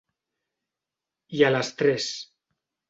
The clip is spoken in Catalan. I a les tres.